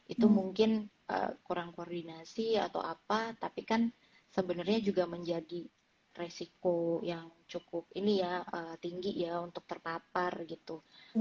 itu mungkin kurang koordinasi atau apa tapi kan sebenarnya juga menjadi resiko yang cukup ini ya tinggi ya untuk terpapar gitu